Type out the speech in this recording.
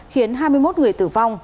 khiến hai mươi một người tử vong